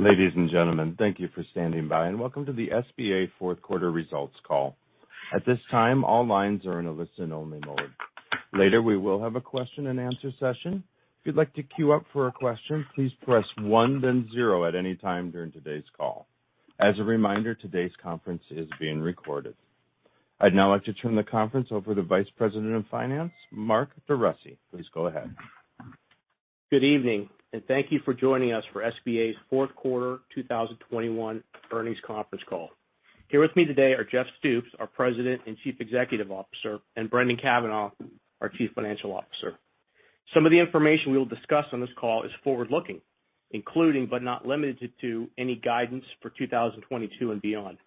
Ladies and gentlemen, thank you for standing by, and welcome to the SBA fourth quarter results call. At this time, all lines are in a listen-only mode. Later, we will have a question-and-answer session. If you'd like to queue up for a question, please press one then zero at any time during today's call. As a reminder, today's conference is being recorded. I'd now like to turn the conference over to Vice President of Finance, Mark DeRussy. Please go ahead. Good evening, and thank you for joining us for SBA's fourth quarter 2021 earnings conference call. Here with me today are Jeff Stoops, our President and Chief Executive Officer, and Brendan Cavanagh, our Chief Financial Officer. Some of the information we will discuss on this call is forward-looking, including, but not limited to, any guidance for 2022 and beyond.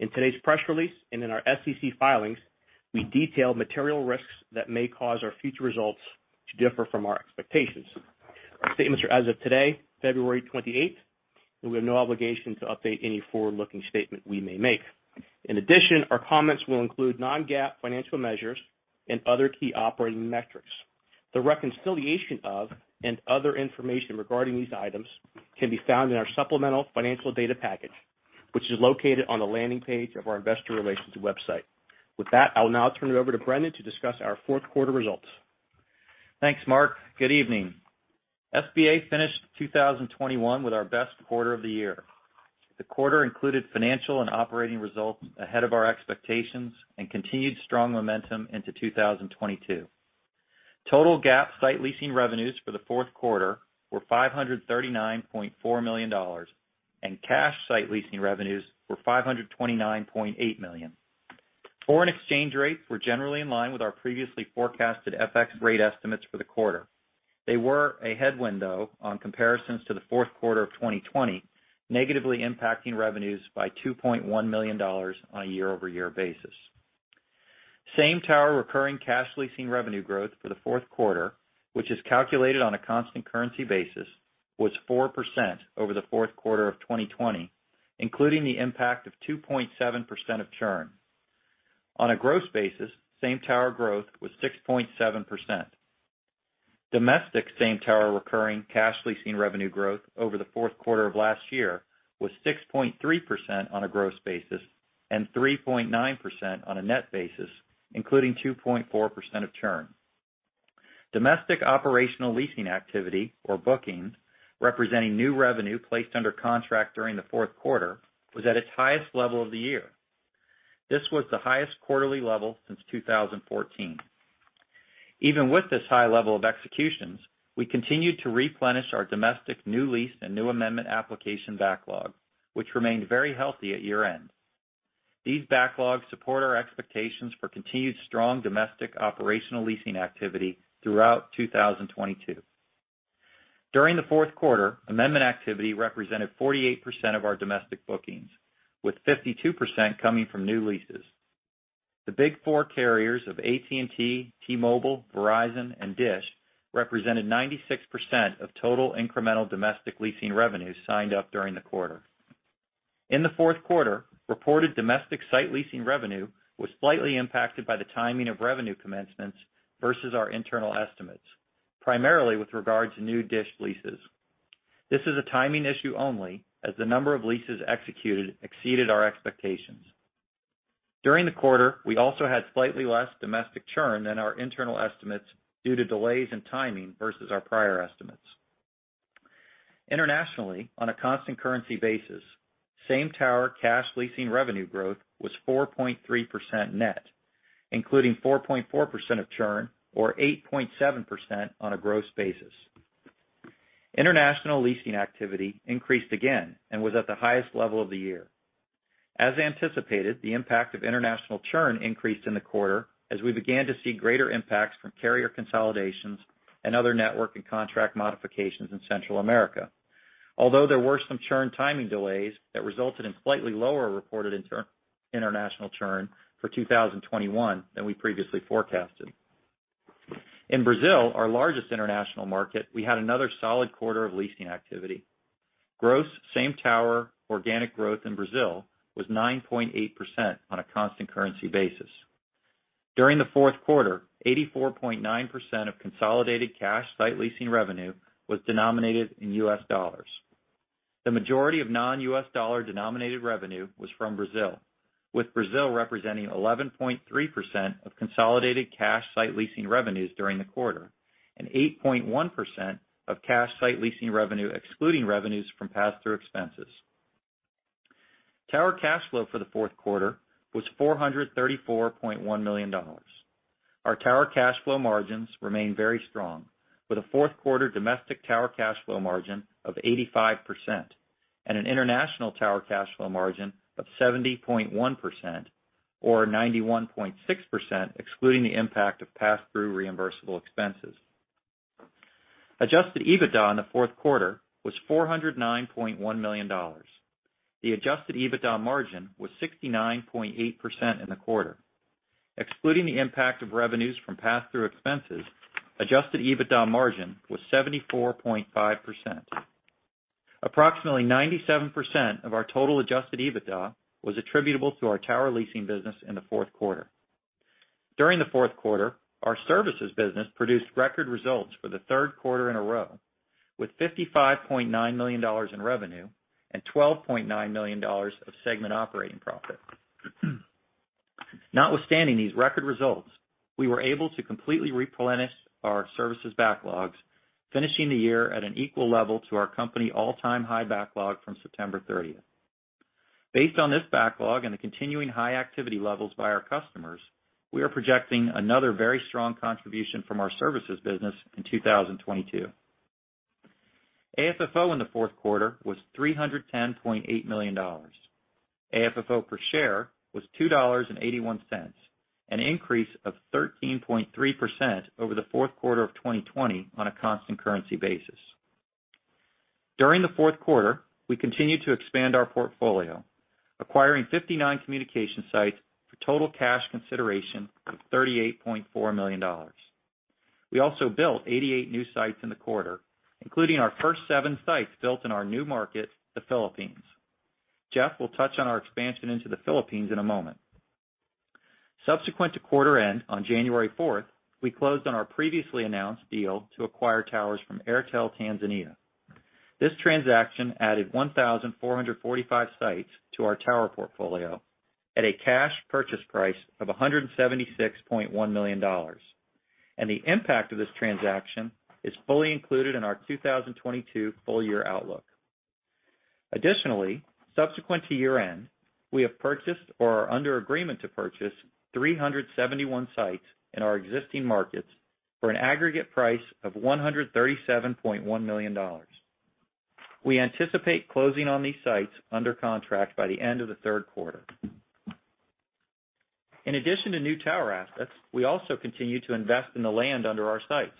In today's press release and in our SEC filings, we detail material risks that may cause our future results to differ from our expectations. Our statements are as of today, February 28th, and we have no obligation to update any forward-looking statement we may make. In addition, our comments will include non-GAAP financial measures and other key operating metrics. The reconciliation of and other information regarding these items can be found in our supplemental financial data package, which is located on the landing page of our Investor Relations website. With that, I will now turn it over to Brendan to discuss our fourth quarter results. Thanks, Mark. Good evening. SBA finished 2021 with our best quarter of the year. The quarter included financial and operating results ahead of our expectations and continued strong momentum into 2022. Total GAAP site leasing revenues for the fourth quarter were $539.4 million, and cash site leasing revenues were $529.8 million. Foreign exchange rates were generally in line with our previously forecasted FX rate estimates for the quarter. They were a headwind, though, on comparisons to the fourth quarter of 2020, negatively impacting revenues by $2.1 million on a year-over-year basis. Same tower recurring cash leasing revenue growth for the fourth quarter, which is calculated on a constant currency basis, was 4% over the fourth quarter of 2020, including the impact of 2.7% of churn. On a gross basis, same tower growth was 6.7%. Domestic same tower recurring cash leasing revenue growth over the fourth quarter of last year was 6.3% on a gross basis and 3.9% on a net basis, including 2.4% of churn. Domestic operational leasing activity or bookings, representing new revenue placed under contract during the fourth quarter, was at its highest level of the year. This was the highest quarterly level since 2014. Even with this high level of executions, we continued to replenish our domestic new lease and new amendment application backlog, which remained very healthy at year-end. These backlogs support our expectations for continued strong domestic operational leasing activity throughout 2022. During the fourth quarter, amendment activity represented 48% of our domestic bookings, with 52% coming from new leases. The big four carriers of AT&T, T-Mobile, Verizon, and DISH represented 96% of total incremental domestic leasing revenues signed up during the quarter. In the fourth quarter, reported domestic site leasing revenue was slightly impacted by the timing of revenue commencements versus our internal estimates, primarily with regard to new DISH leases. This is a timing issue only, as the number of leases executed exceeded our expectations. During the quarter, we also had slightly less domestic churn than our internal estimates due to delays in timing versus our prior estimates. Internationally, on a constant currency basis, same-tower cash leasing revenue growth was 4.3% net, including 4.4% of churn or 8.7% on a gross basis. International leasing activity increased again and was at the highest level of the year. As anticipated, the impact of international churn increased in the quarter as we began to see greater impacts from carrier consolidations and other network and contract modifications in Central America. Although there were some churn timing delays that resulted in slightly lower reported international churn for 2021 than we previously forecasted. In Brazil, our largest international market, we had another solid quarter of leasing activity. Gross same-tower organic growth in Brazil was 9.8% on a constant currency basis. During the fourth quarter, 84.9% of consolidated cash site leasing revenue was denominated in U.S. dollars. The majority of non-U.S. dollar-denominated revenue was from Brazil, with Brazil representing 11.3% of consolidated cash site leasing revenues during the quarter and 8.1% of cash site leasing revenue excluding revenues from pass-through expenses. Tower cash flow for the fourth quarter was $434.1 million. Our tower cash flow margins remain very strong, with a fourth quarter domestic tower cash flow margin of 85% and an international tower cash flow margin of 70.1% or 91.6% excluding the impact of pass-through reimbursable expenses. Adjusted EBITDA in the fourth quarter was $409.1 million. The adjusted EBITDA margin was 69.8% in the quarter. Excluding the impact of revenues from pass-through expenses, adjusted EBITDA margin was 74.5%. Approximately 97% of our total adjusted EBITDA was attributable to our tower leasing business in the fourth quarter. During the fourth quarter, our services business produced record results for the third quarter in a row, with $55.9 million in revenue and $12.9 million of segment operating profit. Notwithstanding these record results, we were able to completely replenish our services backlogs, finishing the year at an equal level to our company all-time high backlog from September 30th. Based on this backlog and the continuing high activity levels by our customers, we are projecting another very strong contribution from our services business in 2022. AFFO in the fourth quarter was $310.8 million. AFFO per share was $2.81, an increase of 13.3% over the fourth quarter of 2020 on a constant currency basis. During the fourth quarter, we continued to expand our portfolio, acquiring 59 communication sites for total cash consideration of $38.4 million. We also built 88 new sites in the quarter, including our first seven sites built in our new market, the Philippines. Jeff will touch on our expansion into the Philippines in a moment. Subsequent to quarter end on January 4th, we closed on our previously announced deal to acquire towers from Airtel Tanzania. This transaction added 1,445 sites to our tower portfolio at a cash purchase price of $176.1 million. The impact of this transaction is fully included in our 2022 full-year outlook. Additionally, subsequent to year-end, we have purchased or are under agreement to purchase 371 sites in our existing markets for an aggregate price of $137.1 million. We anticipate closing on these sites under contract by the end of the third quarter. In addition to new tower assets, we also continue to invest in the land under our sites.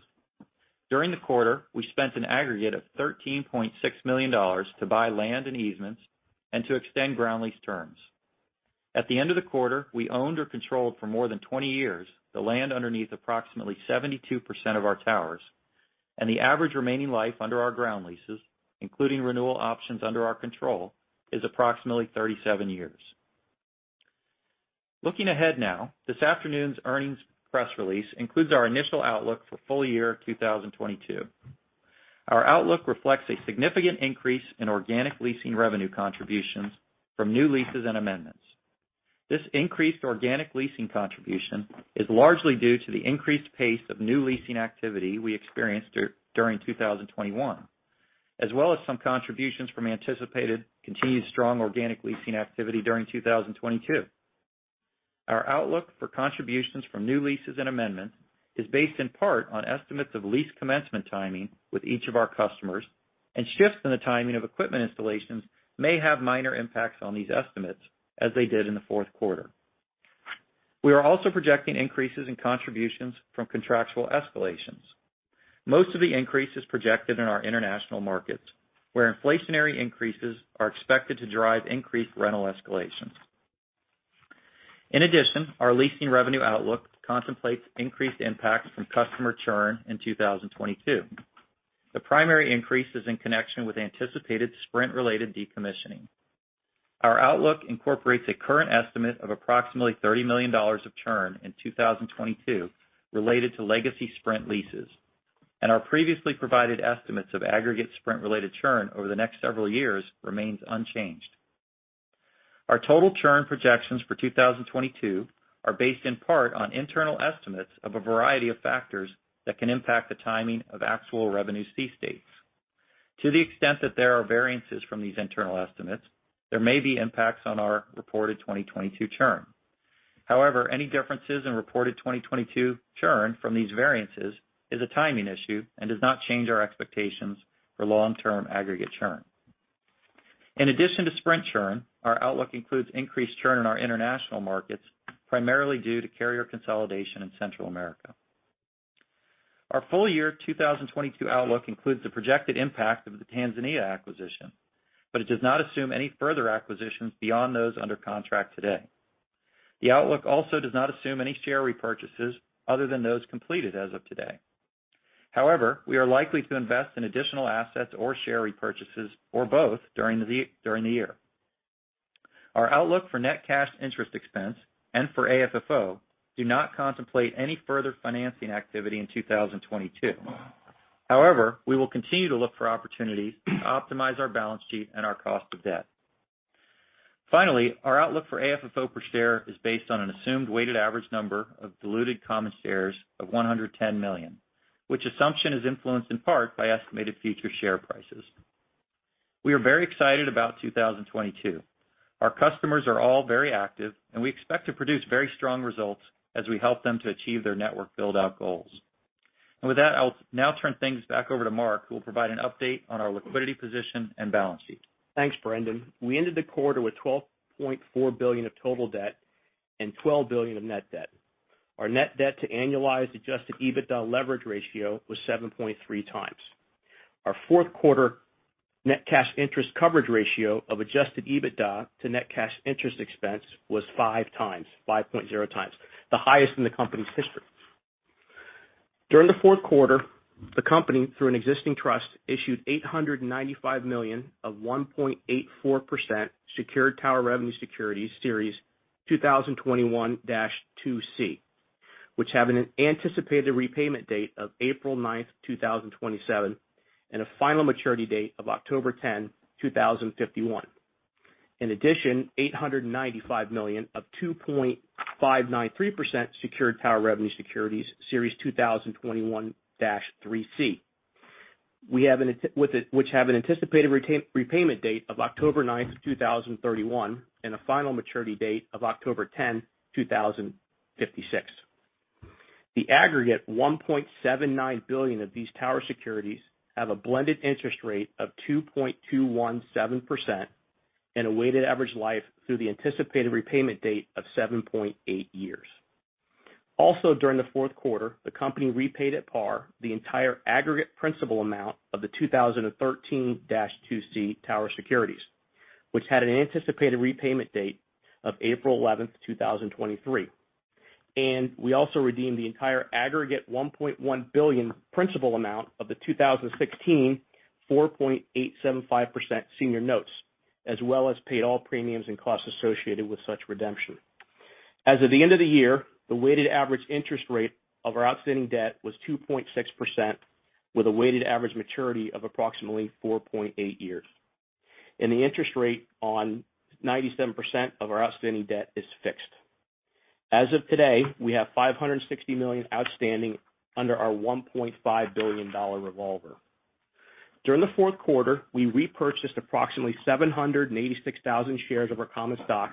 During the quarter, we spent an aggregate of $13.6 million to buy land and easements and to extend ground lease terms. At the end of the quarter, we owned or controlled for more than 20 years the land underneath approximately 72% of our towers, and the average remaining life under our ground leases, including renewal options under our control, is approximately 37 years. Looking ahead now, this afternoon's earnings press release includes our initial outlook for full-year 2022. Our outlook reflects a significant increase in organic leasing revenue contributions from new leases and amendments. This increased organic leasing contribution is largely due to the increased pace of new leasing activity we experienced during 2021, as well as some contributions from anticipated continued strong organic leasing activity during 2022. Our outlook for contributions from new leases and amendments is based in part on estimates of lease commencement timing with each of our customers, and shifts in the timing of equipment installations may have minor impacts on these estimates as they did in the fourth quarter. We are also projecting increases in contributions from contractual escalations. Most of the increase is projected in our international markets, where inflationary increases are expected to drive increased rental escalations. In addition, our leasing revenue outlook contemplates increased impacts from customer churn in 2022. The primary increase is in connection with anticipated Sprint-related decommissioning. Our outlook incorporates a current estimate of approximately $30 million of churn in 2022 related to legacy Sprint leases, and our previously provided estimates of aggregate Sprint-related churn over the next several years remains unchanged. Our total churn projections for 2022 are based in part on internal estimates of a variety of factors that can impact the timing of actual revenue cease dates. To the extent that there are variances from these internal estimates, there may be impacts on our reported 2022 churn. However, any differences in reported 2022 churn from these variances is a timing issue and does not change our expectations for long-term aggregate churn. In addition to Sprint churn, our outlook includes increased churn in our international markets, primarily due to carrier consolidation in Central America. Our full-year 2022 outlook includes the projected impact of the Tanzania acquisition, but it does not assume any further acquisitions beyond those under contract today. The outlook also does not assume any share repurchases other than those completed as of today. However, we are likely to invest in additional assets or share repurchases or both during the year. Our outlook for net cash interest expense and for AFFO do not contemplate any further financing activity in 2022. However, we will continue to look for opportunities to optimize our balance sheet and our cost of debt. Finally, our outlook for AFFO per share is based on an assumed weighted average number of diluted common shares of 110 million, which assumption is influenced in part by estimated future share prices. We are very excited about 2022. Our customers are all very active, and we expect to produce very strong results as we help them to achieve their network build-out goals. With that, I'll now turn things back over to Mark, who will provide an update on our liquidity position and balance sheet. Thanks, Brendan. We ended the quarter with $12.4 billion of total debt and $12 billion of net debt. Our net debt to annualized adjusted EBITDA leverage ratio was 7.3x. Our fourth quarter net cash interest coverage ratio of adjusted EBITDA to net cash interest expense was 5x, 5.0x, the highest in the company's history. During the fourth quarter, the company, through an existing trust, issued $895 million of 1.84% Secured Tower Revenue Securities, Series 2021-2C, which have an anticipated repayment date of April 9th, 2027, and a final maturity date of October 10, 2051. In addition, $895 million of 2.593% Secured Tower Revenue Securities, Series 2021-3C. Which have an anticipated repayment date of October 9th, 2031, and a final maturity date of October 10, 2056. The aggregate $1.79 billion of these tower securities have a blended interest rate of 2.217% and a weighted average life through the anticipated repayment date of 7.8 years. Also, during the fourth quarter, the company repaid at par the entire aggregate principal amount of the 2013-2C tower securities, which had an anticipated repayment date of April 11th, 2023. We also redeemed the entire aggregate $1.1 billion principal amount of the 2016, 4.875% senior notes, as well as paid all premiums and costs associated with such redemption. As of the end of the year, the weighted average interest rate of our outstanding debt was 2.6%, with a weighted average maturity of approximately 4.8 years, and the interest rate on 97% of our outstanding debt is fixed. As of today, we have $560 million outstanding under our $1.5 billion revolver. During the fourth quarter, we repurchased approximately 786,000 shares of our common stock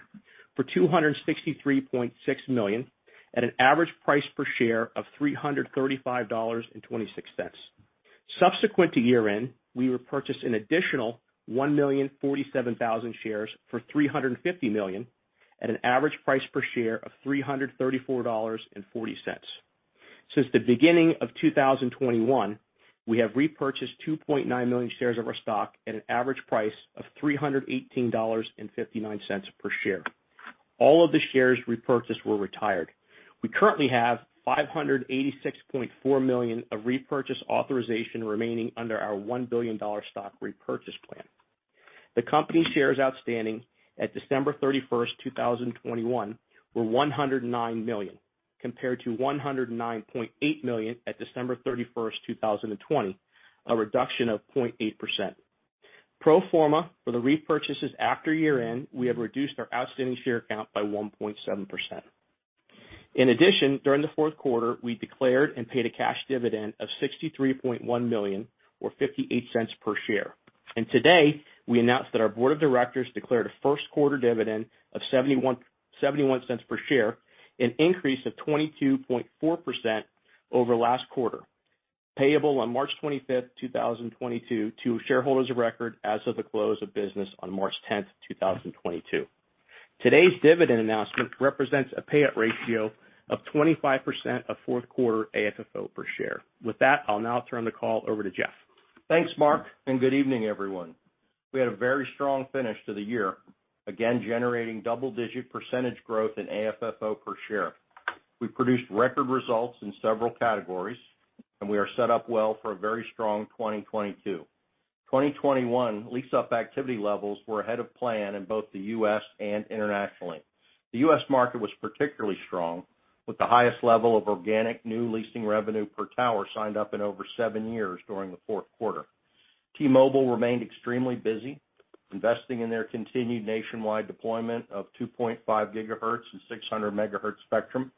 for $263.6 million at an average price per share of $335.26. Subsequent to year-end, we repurchased an additional 1,047,000 shares for $350 million at an average price per share of $334.40. Since the beginning of 2021, we have repurchased 2.9 million shares of our stock at an average price of $318.59 per share. All of the shares repurchased were retired. We currently have $586.4 million of repurchase authorization remaining under our $1 billion stock repurchase plan. The company shares outstanding at December 31st, 2021, were 109 million, compared to 109.8 million at December 31st, 2020, a reduction of 0.8%. Pro forma for the repurchases after year-end, we have reduced our outstanding share count by 1.7%. In addition, during the fourth quarter, we declared and paid a cash dividend of $63.1 million or $0.58 per share. Today, we announced that our Board of Directors declared a first quarter dividend of $0.71 per share, an increase of 22.4% over last quarter, payable on March 25th, 2022 to shareholders of record as of the close of business on March 10th, 2022. Today's dividend announcement represents a payout ratio of 25% of fourth quarter AFFO per share. With that, I'll now turn the call over to Jeff. Thanks, Mark, and good evening, everyone. We had a very strong finish to the year, again generating double-digit percentage growth in AFFO per share. We produced record results in several categories, and we are set up well for a very strong 2022. 2021 lease-up activity levels were ahead of plan in both the U.S. and internationally. The U.S. market was particularly strong, with the highest level of organic new leasing revenue per tower signed up in over seven years during the fourth quarter. T-Mobile remained extremely busy investing in their continued nationwide deployment of 2.5 GHz and 600 MHz spectrum.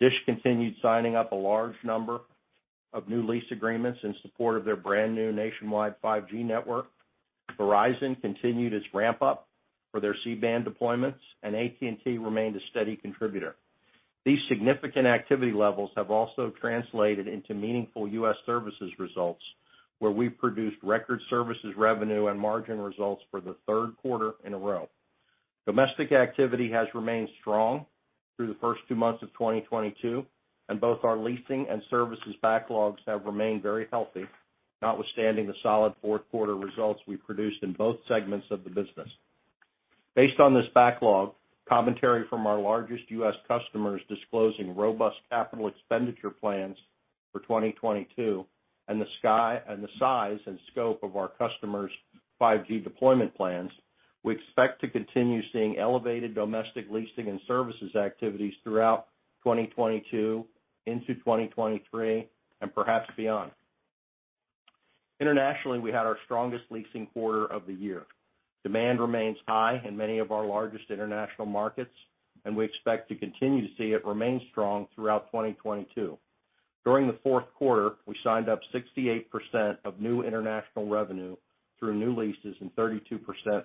DISH continued signing up a large number of new lease agreements in support of their brand-new nationwide 5G network. Verizon continued its ramp up for their C-band deployments, and AT&T remained a steady contributor. These significant activity levels have also translated into meaningful U.S. services results, where we produced record services revenue and margin results for the third quarter in a row. Domestic activity has remained strong through the first two months of 2022, and both our leasing and services backlogs have remained very healthy, notwithstanding the solid fourth quarter results we produced in both segments of the business. Based on this backlog, commentary from our largest U.S. customers disclosing robust capital expenditure plans for 2022 and the size and scope of our customers' 5G deployment plans, we expect to continue seeing elevated domestic leasing and services activities throughout 2022 into 2023, and perhaps beyond. Internationally, we had our strongest leasing quarter of the year. Demand remains high in many of our largest international markets, and we expect to continue to see it remain strong throughout 2022. During the fourth quarter, we signed up 68% of new international revenue through new leases and 32%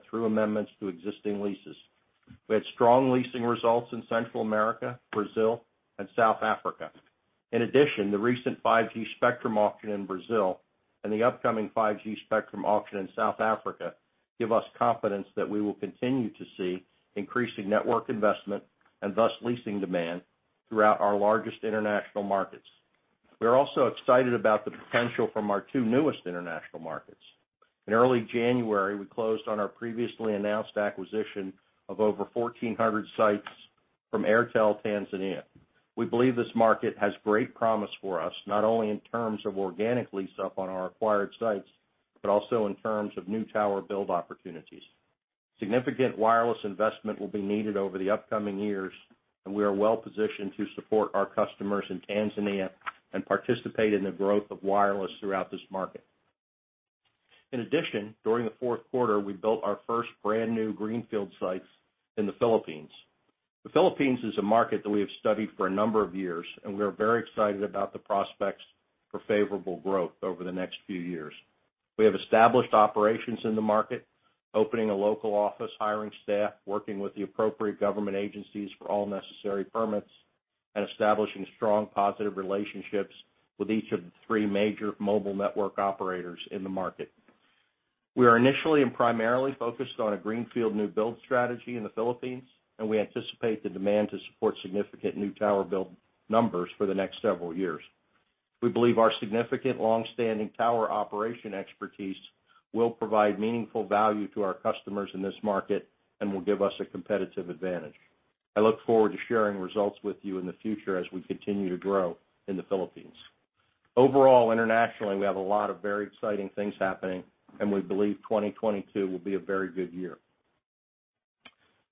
through amendments to existing leases. We had strong leasing results in Central America, Brazil, and South Africa. In addition, the recent 5G spectrum auction in Brazil and the upcoming 5G spectrum auction in South Africa give us confidence that we will continue to see increasing network investment and thus leasing demand throughout our largest international markets. We are also excited about the potential from our two newest international markets. In early January, we closed on our previously announced acquisition of over 1,400 sites from Airtel Tanzania. We believe this market has great promise for us, not only in terms of organic lease up on our acquired sites, but also in terms of new tower build opportunities. Significant wireless investment will be needed over the upcoming years, and we are well-positioned to support our customers in Tanzania and participate in the growth of wireless throughout this market. In addition, during the fourth quarter, we built our first brand new greenfield sites in the Philippines. The Philippines is a market that we have studied for a number of years, and we are very excited about the prospects for favorable growth over the next few years. We have established operations in the market, opening a local office, hiring staff, working with the appropriate government agencies for all necessary permits, and establishing strong positive relationships with each of the three major mobile network operators in the market. We are initially and primarily focused on a greenfield new build strategy in the Philippines, and we anticipate the demand to support significant new tower build numbers for the next several years. We believe our significant long-standing tower operation expertise will provide meaningful value to our customers in this market and will give us a competitive advantage. I look forward to sharing results with you in the future as we continue to grow in the Philippines. Overall, internationally, we have a lot of very exciting things happening, and we believe 2022 will be a very good year.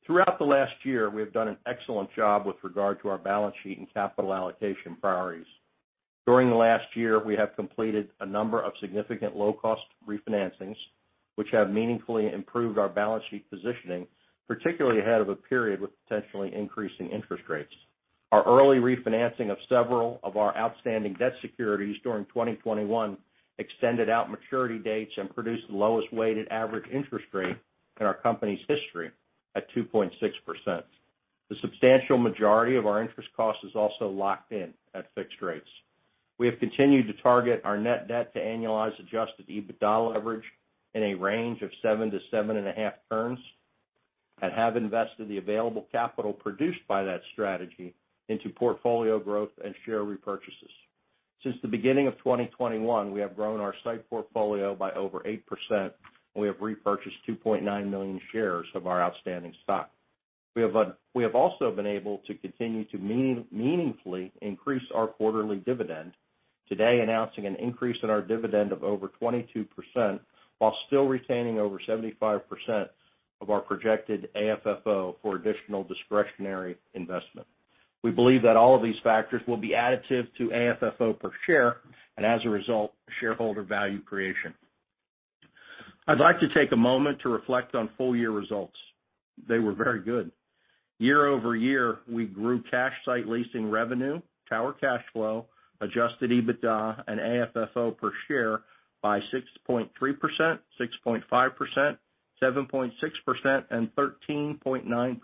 Throughout the last year, we have done an excellent job with regard to our balance sheet and capital allocation priorities. During the last year, we have completed a number of significant low-cost refinancings, which have meaningfully improved our balance sheet positioning, particularly ahead of a period with potentially increasing interest rates. Our early refinancing of several of our outstanding debt securities during 2021 extended out maturity dates and produced the lowest weighted average interest rate in our company's history at 2.6%. The substantial majority of our interest cost is also locked in at fixed rates. We have continued to target our net debt to annualized adjusted EBITDA leverage in a range of 7-7.5 turns and have invested the available capital produced by that strategy into portfolio growth and share repurchases. Since the beginning of 2021, we have grown our site portfolio by over 8%, and we have repurchased 2.9 million shares of our outstanding stock. We have also been able to continue to meaningfully increase our quarterly dividend, today announcing an increase in our dividend of over 22% while still retaining over 75% of our projected AFFO for additional discretionary investment. We believe that all of these factors will be additive to AFFO per share, and as a result, shareholder value creation. I'd like to take a moment to reflect on full-year results. They were very good. Year-over-year, we grew cash site leasing revenue, tower cash flow, adjusted EBITDA, and AFFO per share by 6.3%, 6.5%, 7.6%, and 13.9%,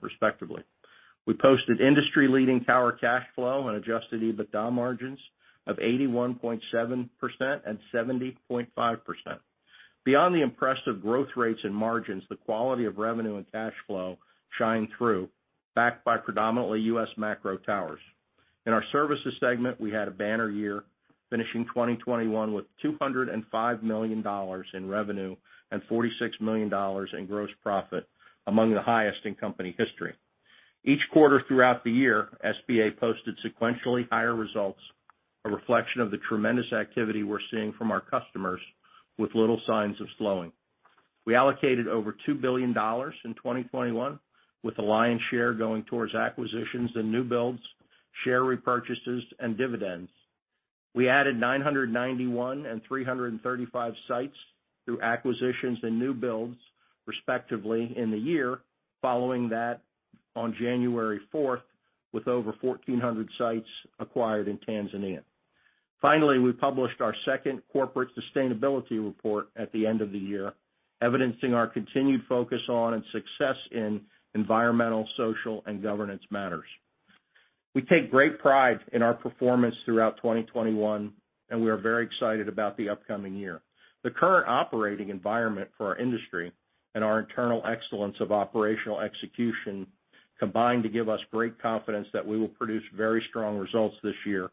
respectively. We posted industry-leading tower cash flow and adjusted EBITDA margins of 81.7% and 70.5%. Beyond the impressive growth rates and margins, the quality of revenue and cash flow shine through, backed by predominantly U.S. macro towers. In our services segment, we had a banner year, finishing 2021 with $205 million in revenue and $46 million in gross profit, among the highest in company history. Each quarter throughout the year, SBA posted sequentially higher results, a reflection of the tremendous activity we're seeing from our customers with little signs of slowing. We allocated over $2 billion in 2021, with a lion's share going towards acquisitions and new builds, share repurchases, and dividends. We added 991 and 335 sites through acquisitions and new builds, respectively, in the year following that on January 4th, with over 1,400 sites acquired in Tanzania. Finally, we published our second corporate sustainability report at the end of the year, evidencing our continued focus on and success in environmental, social, and governance matters. We take great pride in our performance throughout 2021, and we are very excited about the upcoming year. The current operating environment for our industry and our internal excellence of operational execution combine to give us great confidence that we will produce very strong results this year.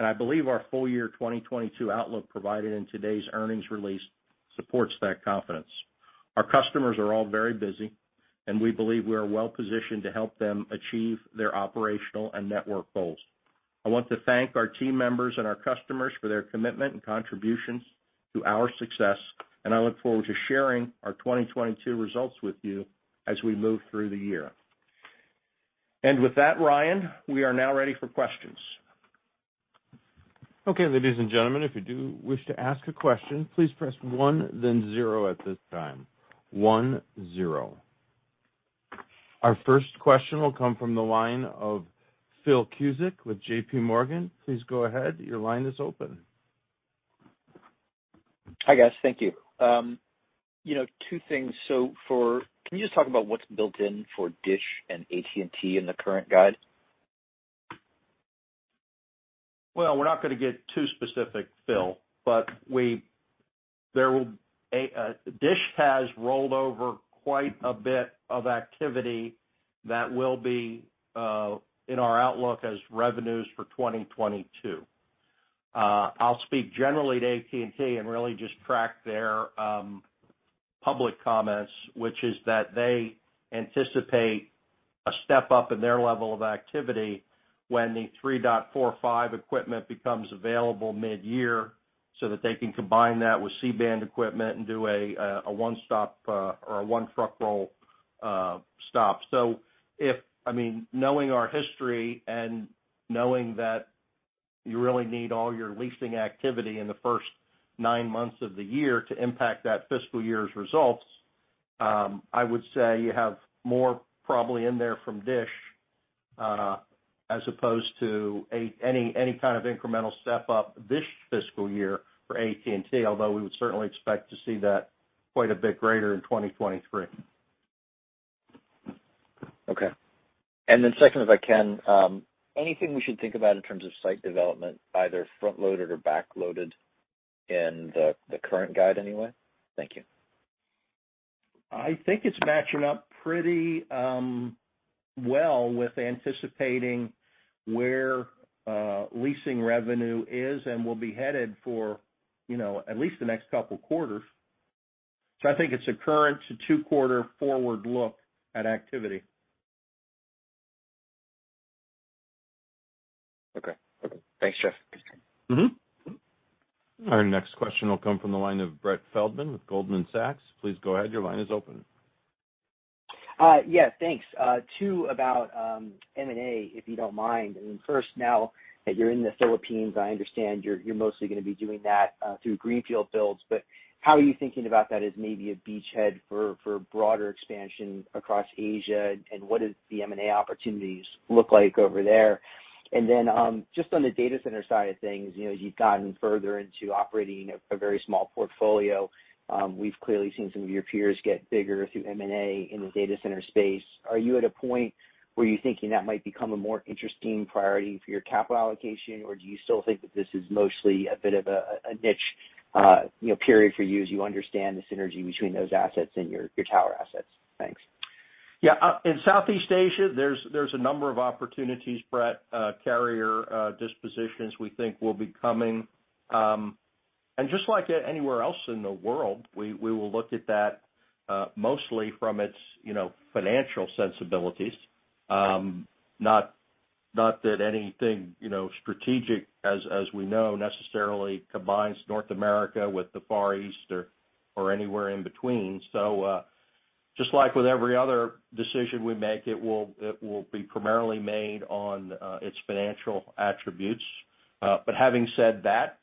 I believe our full-year 2022 outlook provided in today's earnings release supports that confidence. Our customers are all very busy, and we believe we are well-positioned to help them achieve their operational and network goals. I want to thank our team members and our customers for their commitment and contributions to our success, and I look forward to sharing our 2022 results with you as we move through the year. With that, Ryan, we are now ready for questions. Okay. Ladies and gentleman, if you do wish to ask a question, please press one then zero at this time, one zero. Our first question will come from the line of Phil Cusick with JPMorgan. Please go ahead. Your line is open. Hi, guys. Thank you. You know, two things. Can you just talk about what's built in for DISH and AT&T in the current guide? Well, we're not gonna get too specific, Phil, but we, there will. DISH has rolled over quite a bit of activity that will be in our outlook as revenues for 2022. I'll speak generally to AT&T and really just track their public comments, which is that they anticipate a step up in their level of activity when the 3.45 equipment becomes available midyear, so that they can combine that with C-band equipment and do a one-stop or a one-truck roll stop. I mean, knowing our history and knowing that you really need all your leasing activity in the first nine months of the year to impact that fiscal year's results, I would say you have more probably in there from DISH, as opposed to any kind of incremental step up this fiscal year for AT&T, although we would certainly expect to see that quite a bit greater in 2023. Okay. Second, if I can, anything we should think about in terms of site development, either front-loaded or back-loaded in the current guide anyway? Thank you. I think it's matching up pretty well with anticipating where leasing revenue is and will be headed for, you know, at least the next couple quarters. I think it's a current to two quarter forward look at activity. Okay. Thanks, Jeff. Mm-hmm. Our next question will come from the line of Brett Feldman with Goldman Sachs. Please go ahead. Your line is open. Yeah, thanks. Two, about M&A, if you don't mind. First, now that you're in the Philippines, I understand you're mostly gonna be doing that through greenfield builds. But how are you thinking about that as maybe a beachhead for broader expansion across Asia, and what does the M&A opportunities look like over there? Just on the data center side of things, you know, you've gotten further into operating a very small portfolio. We've clearly seen some of your peers get bigger through M&A in the data center space. Are you at a point where you're thinking that might become a more interesting priority for your capital allocation, or do you still think that this is mostly a bit of a niche period for you as you understand the synergy between those assets and your tower assets? Thanks. Yeah. In Southeast Asia, there's a number of opportunities, Brett, carrier dispositions we think will be coming, and just like anywhere else in the world, we will look at that, mostly from its, you know, financial sensibilities, not that anything, you know, strategic as we know, necessarily combines North America with the Far East or anywhere in between. Just like with every other decision we make, it will be primarily made on its financial attributes. But having said that,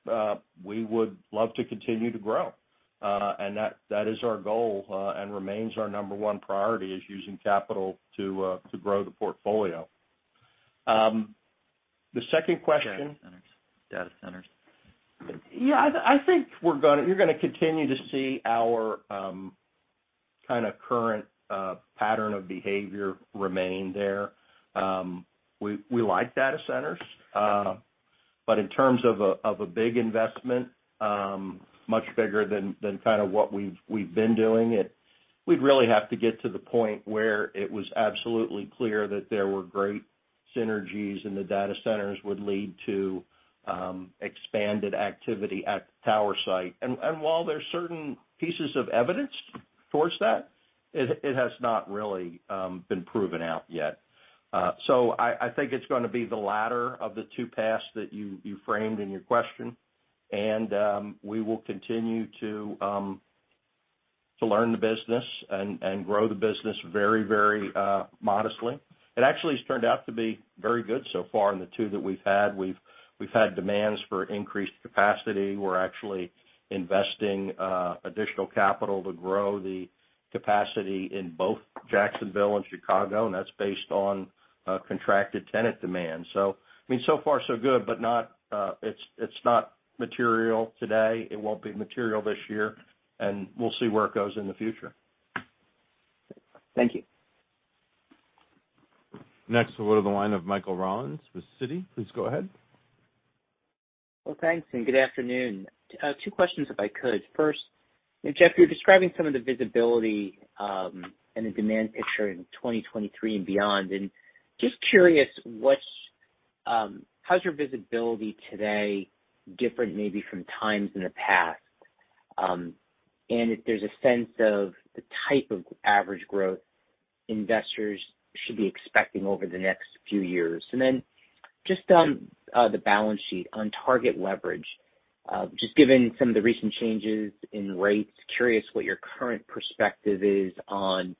we would love to continue to grow, and that is our goal and remains our number one priority is using capital to grow the portfolio. The second question- Data centers. Yeah, I think you're gonna continue to see our kinda current pattern of behavior remain there. We like data centers, but in terms of a big investment, much bigger than kind of what we've been doing, we'd really have to get to the point where it was absolutely clear that there were great synergies, and the data centers would lead to expanded activity at the tower site. While there are certain pieces of evidence towards that, it has not really been proven out yet. I think it's gonna be the latter of the two paths that you framed in your question, and we will continue to learn the business and grow the business very, very modestly. It actually has turned out to be very good so far in the two that we've had. We've had demands for increased capacity. We're actually investing additional capital to grow the capacity in both Jacksonville and Chicago, and that's based on contracted tenant demand. I mean, so far so good, but it's not material today. It won't be material this year, and we'll see where it goes in the future. Thank you. Next, we'll go to the line of Michael Rollins with Citi. Please go ahead. Well, thanks, and good afternoon. Two questions, if I could. First, you know, Jeff, you're describing some of the visibility, and the demand picture in 2023 and beyond, and just curious, how's your visibility today different maybe from times in the past, and if there's a sense of the type of average growth investors should be expecting over the next few years? Just on the balance sheet, on target leverage, just given some of the recent changes in rates, curious what your current perspective is on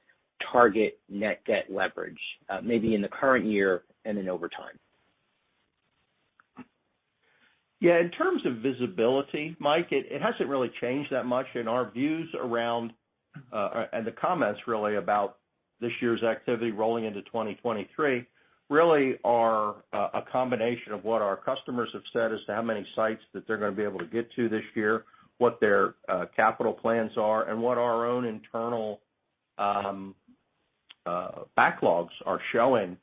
target net debt leverage, maybe in the current year and then over time. Yeah. In terms of visibility, Mike, it hasn't really changed that much, and our views around and the comments really about this year's activity rolling into 2023 really are a combination of what our customers have said as to how many sites that they're gonna be able to get to this year, what their capital plans are, and what our own internal backlogs are showing.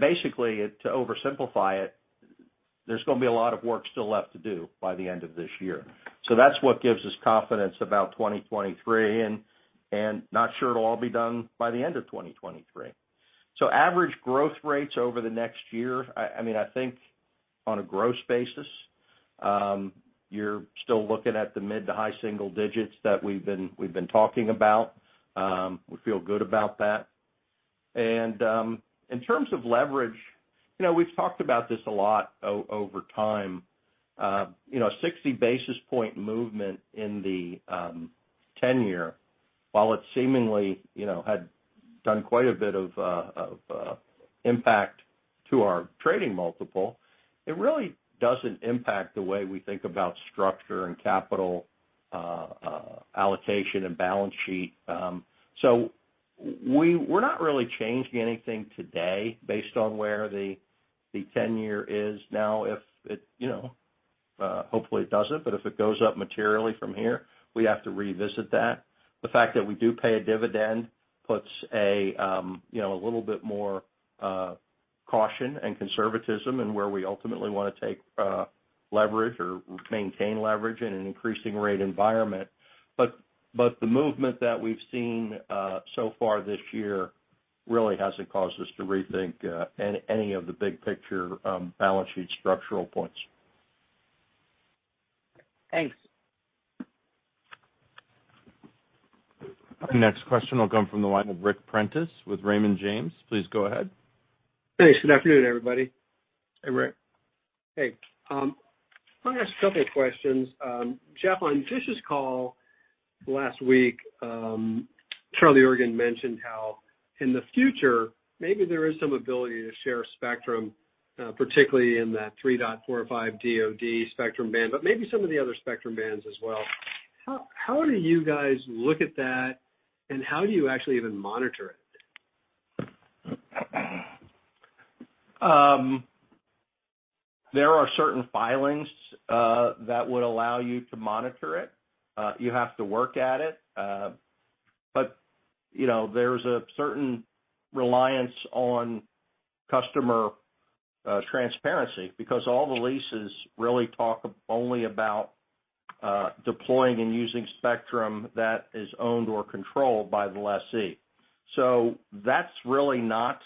Basically, to oversimplify it, there's gonna be a lot of work still left to do by the end of this year. That's what gives us confidence about 2023, and not sure it'll all be done by the end of 2023. Average growth rates over the next year, I mean, I think on a gross basis, you're still looking at the mid- to high-single-digits that we've been talking about. We feel good about that. In terms of leverage, you know, we've talked about this a lot over time. You know, 60 basis point movement in the tenure, while it seemingly, you know, had done quite a bit of impact to our trading multiple, it really doesn't impact the way we think about structure and capital allocation and balance sheet. We're not really changing anything today based on where the tenure is now. If it, you know, hopefully it doesn't, but if it goes up materially from here, we have to revisit that. The fact that we do pay a dividend puts a you know a little bit more caution and conservatism in where we ultimately wanna take leverage or maintain leverage in an increasing rate environment. The movement that we've seen so far this year really hasn't caused us to rethink any of the big picture balance sheet structural points. Thanks. The next question will come from the line of Ric Prentiss with Raymond James. Please go ahead. Thanks. Good afternoon, everybody. Hey, Ric. Hey. I'm gonna ask a couple of questions. Jeff, on DISH's call last week, Charlie Ergen mentioned how in the future, maybe there is some ability to share spectrum, particularly in that 3.45 DoD spectrum band, but maybe some of the other spectrum bands as well. How do you guys look at that, and how do you actually even monitor it? There are certain filings that would allow you to monitor it. You have to work at it. You know, there's a certain reliance on customer transparency because all the leases really talk only about deploying and using spectrum that is owned or controlled by the lessee. That's really not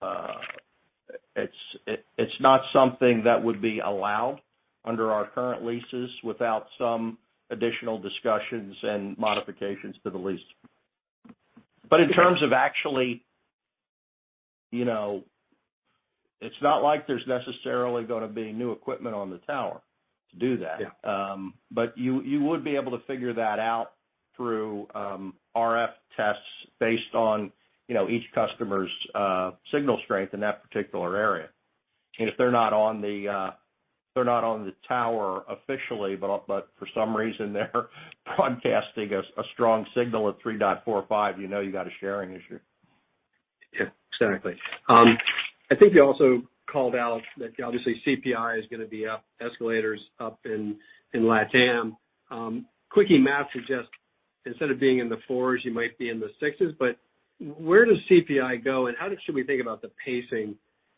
something that would be allowed under our current leases without some additional discussions and modifications to the lease. In terms of actually, you know, it's not like there's necessarily gonna be new equipment on the tower to do that. Yeah. You would be able to figure that out through RF tests based on, you know, each customer's signal strength in that particular area. If they're not on the tower officially, but for some reason they're broadcasting a strong signal at 3.45, you know you got a sharing issue. Yeah. Exactly. I think you also called out that obviously CPI is gonna be up, escalators up in LatAm. Quickie math suggests instead of being in the fours, you might be in the sixes. Where does CPI go, and how should we think about the pacing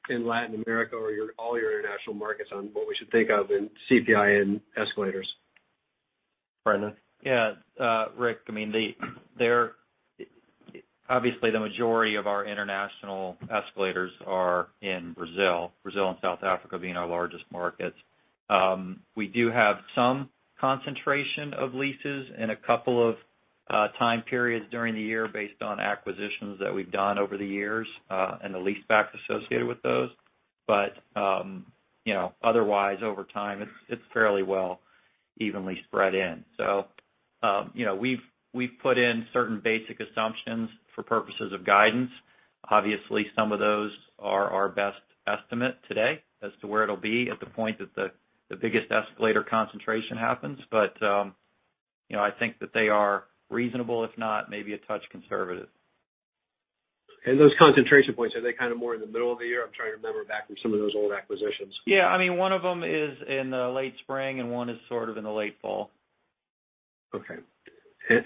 in Latin America or your all your international markets on what we should think of in CPI and escalators? Brendan? Yeah. Ric, I mean, obviously, the majority of our international escalators are in Brazil and South Africa being our largest markets. We do have some concentration of leases in a couple of time periods during the year based on acquisitions that we've done over the years and the lease backs associated with those. You know, otherwise, over time, it's fairly well evenly spread in. You know, we've put in certain basic assumptions for purposes of guidance. Obviously, some of those are our best estimate today as to where it'll be at the point that the biggest escalator concentration happens. You know, I think that they are reasonable, if not, maybe a touch conservative. Those concentration points, are they kind of more in the middle of the year? I'm trying to remember back from some of those old acquisitions. Yeah. I mean, one of them is in the late spring, and one is sort of in the late fall. Okay.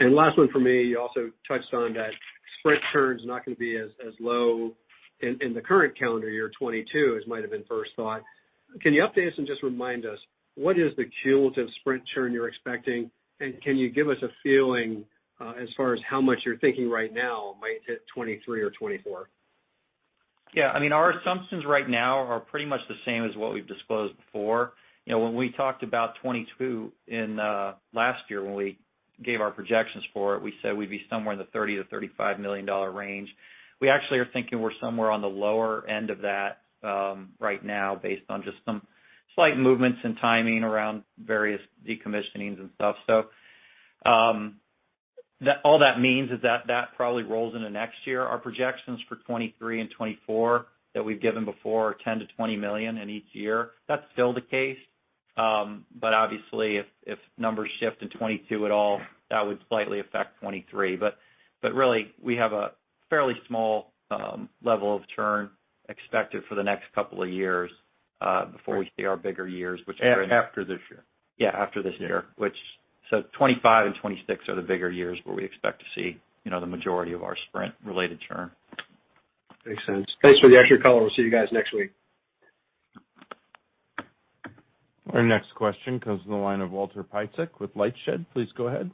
Last one for me. You also touched on that Sprint churn's not gonna be as low in the current calendar year 2022, as might have been first thought. Can you update us and just remind us what is the cumulative Sprint churn you're expecting, and can you give us a feeling, as far as how much you're thinking right now might hit 2023 or 2024? Yeah. I mean, our assumptions right now are pretty much the same as what we've disclosed before. You know, when we talked about 2022 in last year when we gave our projections for it, we said we'd be somewhere in the $30 million-$35 million range. We actually are thinking we're somewhere on the lower end of that right now based on just some slight movements in timing around various decommissioning and stuff. All that means is that that probably rolls into next year. Our projections for 2023 and 2024 that we've given before are $10 million-$20 million in each year. That's still the case. But obviously, if numbers shift in 2022 at all, that would slightly affect 2023. Really, we have a fairly small level of churn expected for the next couple of years before we see our bigger years. After this year? Yeah, after this year, 2025 and 2026 are the bigger years where we expect to see, you know, the majority of our Sprint-related churn. Makes sense. Thanks for the extra color. We'll see you guys next week. Our next question comes from the line of Walter Piecyk with LightShed. Please go ahead.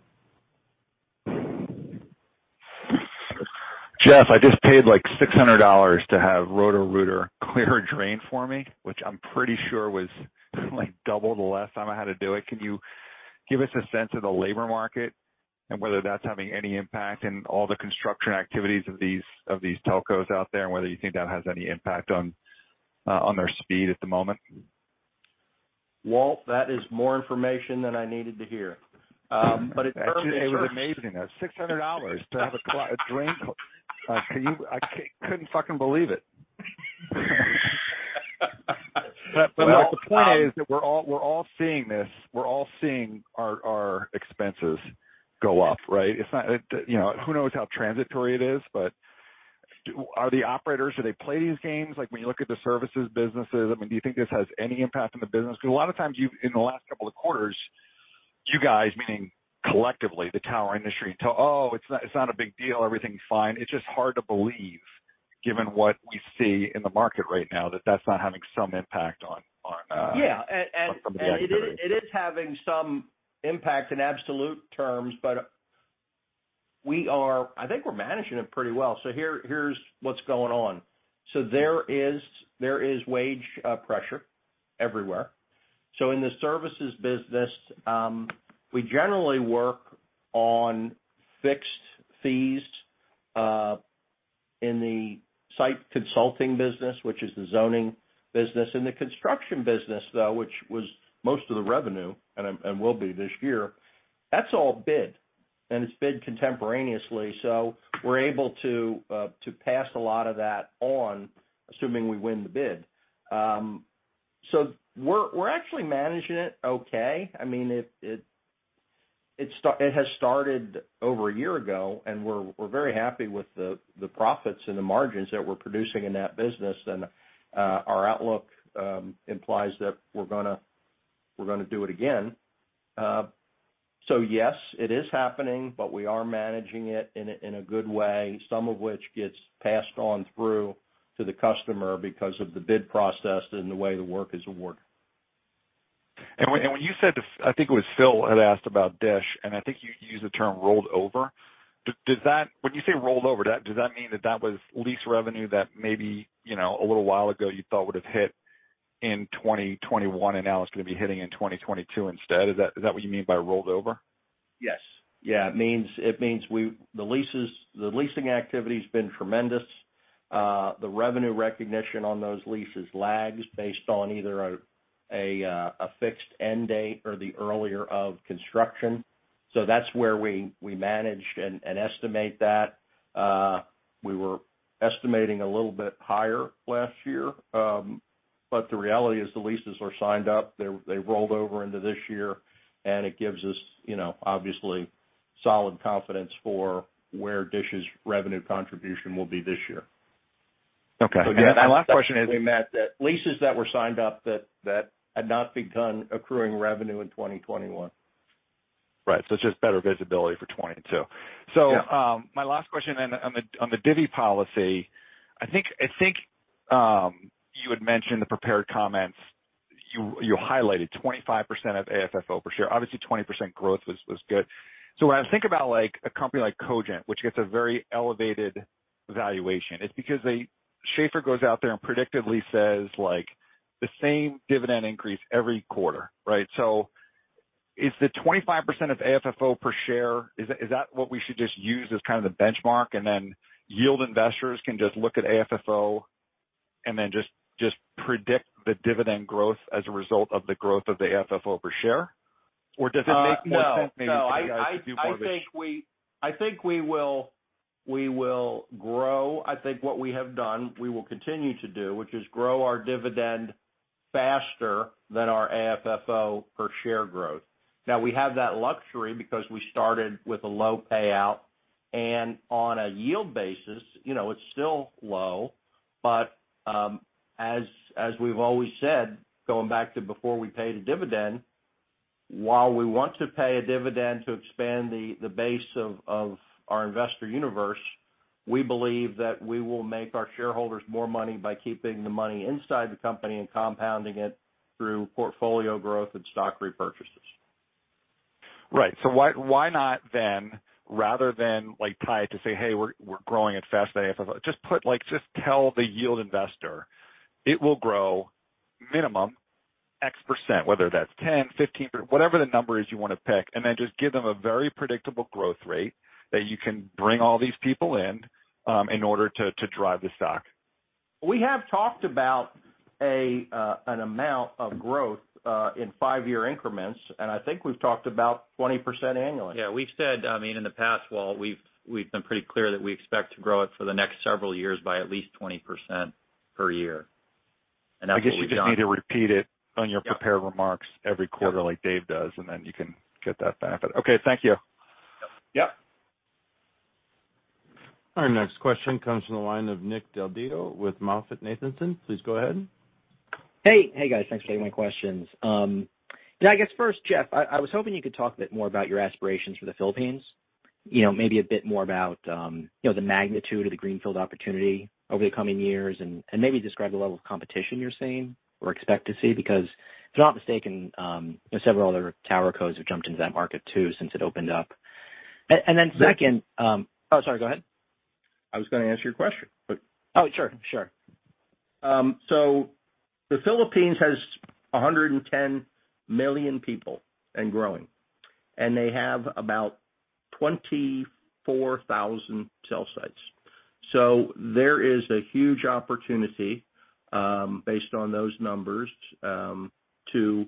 Jeff, I just paid like $600 to have Roto-Rooter clear a drain for me, which I'm pretty sure was like double the last time I had to do it. Can you give us a sense of the labor market and whether that's having any impact in all the construction activities of these telcos out there, and whether you think that has any impact on their speed at the moment? Walt, that is more information than I needed to hear. In terms of- Actually, it was amazing. That was $600 to have a drain cleaned. Can you- I couldn't fucking believe it. The point is that we're all seeing this. We're all seeing our expenses go up, right? It's not. You know, who knows how transitory it is, but are the operators, do they play these games like when you look at the services businesses? I mean, do you think this has any impact on the business? Because a lot of times, in the last couple of quarters, you guys, meaning collectively the tower industry, tell, "Oh, it's not a big deal. Everything's fine." It's just hard to believe given what we see in the market right now that that's not having some impact on- Yeah. It is. Some of the operators. It is having some impact in absolute terms, but I think we're managing it pretty well. Here's what's going on. There is wage pressure everywhere. In the services business, we generally work on fixed fees in the site consulting business, which is the zoning business. In the construction business, though, which was most of the revenue and will be this year, that's all bid, and it's bid contemporaneously. We're able to pass a lot of that on, assuming we win the bid. We're actually managing it okay. I mean, it has started over a year ago, and we're very happy with the profits and the margins that we're producing in that business. Our outlook implies that we're gonna do it again. Yes, it is happening, but we are managing it in a good way, some of which gets passed on through to the customer because of the bid process and the way the work is awarded. I think it was Phil had asked about DISH, and I think you used the term rolled over. When you say rolled over, does that mean that was lease revenue that maybe, you know, a little while ago you thought would've hit in 2021 and now it's gonna be hitting in 2022 instead? Is that what you mean by rolled over? Yes. Yeah. It means the leasing activity's been tremendous. The revenue recognition on those leases lags based on either a fixed end date or the earlier of construction. That's where we manage and estimate that. We were estimating a little bit higher last year, but the reality is the leases are signed up. They rolled over into this year, and it gives us, you know, obviously solid confidence for where DISH's revenue contribution will be this year. Okay. My last question is- Yeah, leases that were signed up that had not begun accruing revenue in 2021. Right. It's just better visibility for 2022. Yeah. My last question then on the divvy policy, I think you had mentioned the prepared comments. You highlighted 25% of AFFO per share. Obviously, 20% growth was good. When I think about like a company like Cogent, which gets a very elevated valuation, it's because they, Schaeffer goes out there and predictively says like the same dividend increase every quarter, right? Is the 25% of AFFO per share, is that what we should just use as kind of the benchmark, and then yield investors can just look at AFFO and then just predict the dividend growth as a result of the growth of the AFFO per share? Or does it make more sense maybe- No. No. For you guys to do more of a- I think we will grow. I think what we have done, we will continue to do, which is grow our dividend faster than our AFFO per share growth. Now, we have that luxury because we started with a low payout, and on a yield basis, you know, it's still low. As we've always said, going back to before we paid a dividend, while we want to pay a dividend to expand the base of our investor universe, we believe that we will make our shareholders more money by keeping the money inside the company and compounding it through portfolio growth and stock repurchases. Right. Why not then, rather than like tie it to say, "Hey, we're growing it fast at AFFO," just tell the yield investor, "It will grow minimum x percent," whether that's 10%, 15%, or whatever the number is you wanna pick, and then just give them a very predictable growth rate that you can bring all these people in order to drive the stock. We have talked about an amount of growth in five year increments, and I think we've talked about 20% annually. Yeah. We've said, I mean, in the past, Walt, we've been pretty clear that we expect to grow it for the next several years by at least 20% per year. That's what we've done. I guess you just need to repeat it on your- Yeah. Prepared remarks every quarter like Dave does, and then you can get that benefit. Okay. Thank you. Yeah. Our next question comes from the line of Nick Del Deo with MoffettNathanson. Please go ahead. Hey. Hey, guys. Thanks for taking my questions. I guess first, Jeff, I was hoping you could talk a bit more about your aspirations for the Philippines, you know, maybe a bit more about the magnitude of the greenfield opportunity over the coming years and maybe describe the level of competition you're seeing or expect to see because if I'm not mistaken, you know, several other tower codes have jumped into that market too since it opened up. And then second- Nick- Oh, sorry, go ahead. I was gonna answer your question. Oh, sure. Sure. The Philippines has 110 million people and growing, and they have about 24,000 cell sites. There is a huge opportunity based on those numbers to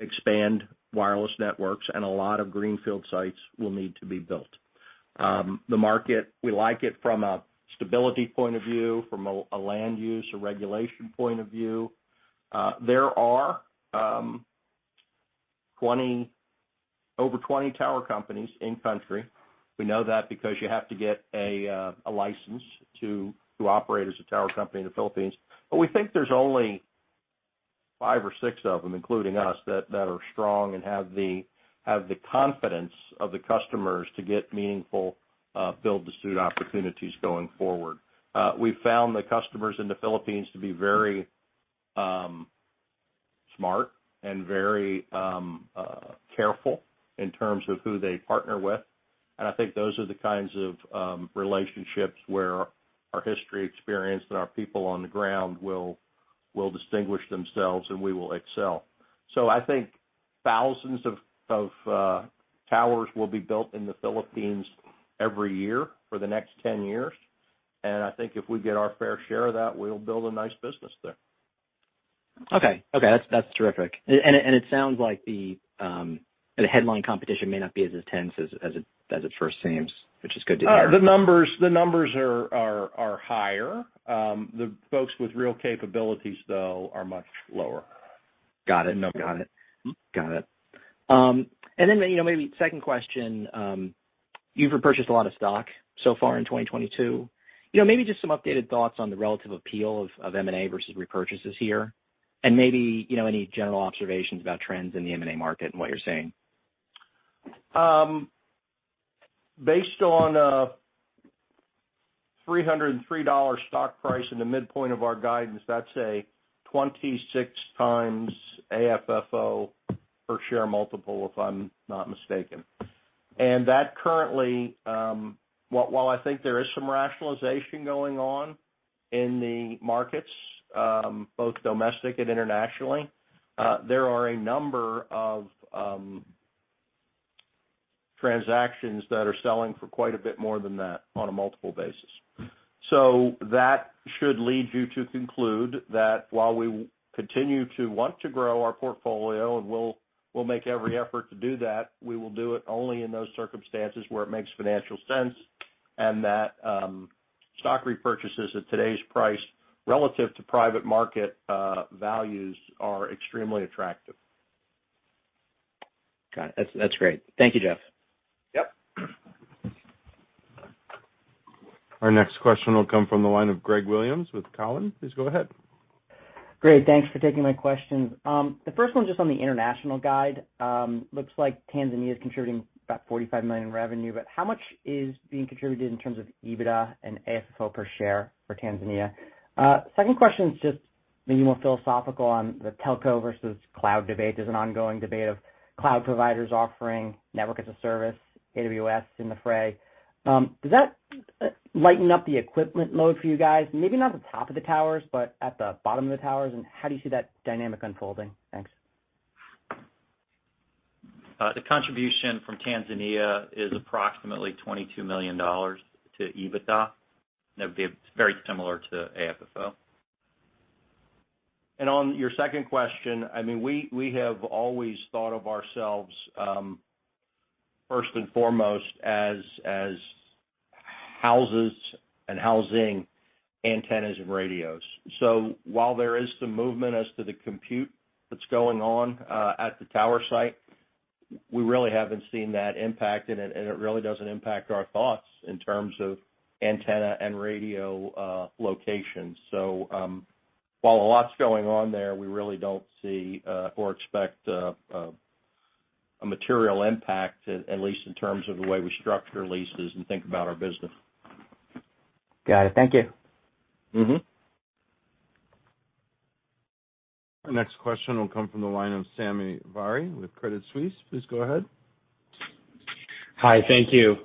expand wireless networks, and a lot of greenfield sites will need to be built. The market, we like it from a stability point of view, from a land use, a regulation point of view. There are over 20 tower companies in country. We know that because you have to get a license to operate as a tower company in the Philippines. We think there's only five or six of them, including us, that are strong and have the confidence of the customers to get meaningful build-to-suit opportunities going forward. We've found the customers in the Philippines to be very smart and very careful in terms of who they partner with, and I think those are the kinds of relationships where our history, experience, and our people on the ground will distinguish themselves, and we will excel. I think thousands of towers will be built in the Philippines every year for the next 10 years. I think if we get our fair share of that, we'll build a nice business there. Okay. That's terrific. It sounds like the headline competition may not be as intense as it first seems, which is good to hear. The numbers are higher. The folks with real capabilities, though, are much lower. Got it. The number- Got it. Hmm? Got it. You know, maybe second question, you've repurchased a lot of stock so far in 2022. You know, maybe just some updated thoughts on the relative appeal of M&A versus repurchases here, and maybe, you know, any general observations about trends in the M&A market and what you're seeing? Based on a $303 stock price in the midpoint of our guidance, that's a 26x AFFO per share multiple, if I'm not mistaken. That currently, while I think there is some rationalization going on in the markets, both domestic and internationally, there are a number of transactions that are selling for quite a bit more than that on a multiple basis. That should lead you to conclude that while we continue to want to grow our portfolio, and we'll make every effort to do that, we will do it only in those circumstances where it makes financial sense and that stock repurchases at today's price relative to private market values are extremely attractive. Got it. That's great. Thank you, Jeff. Yeah. Our next question will come from the line of Greg Williams with Cowen. Please go ahead. Great. Thanks for taking my questions. The first one's just on the international guide. Looks like Tanzania is contributing about $45 million in revenue, but how much is being contributed in terms of EBITDA and AFFO per share for Tanzania? Second question is just maybe more philosophical on the telco versus cloud debate. There's an ongoing debate of cloud providers offering network as a service, AWS in the fray. Does that lighten up the equipment load for you guys? Maybe not the top of the towers, but at the bottom of the towers, and how do you see that dynamic unfolding? Thanks. The contribution from Tanzania is approximately $22 million to EBITDA. That would be very similar to AFFO. On your second question, I mean, we have always thought of ourselves first and foremost as houses and housing antennas and radios. While there is some movement as to the compute that's going on at the tower site, we really haven't seen that impact, and it really doesn't impact our thoughts in terms of antenna and radio locations. While a lot's going on there, we really don't see or expect a material impact, at least in terms of the way we structure leases and think about our business. Got it. Thank you. Mm-hmm. Our next question will come from the line of Sami Badri with Credit Suisse. Please go ahead. Hi. Thank you.